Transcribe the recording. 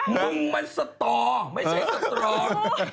มึงมันสตอไม่ใช่สตรอง